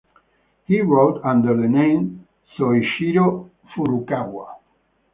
He wrote under the name Soichiro Furukawa.